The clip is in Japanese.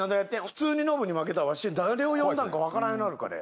普通にノブに負けたらわし誰を呼んだんかわからんようなるからや。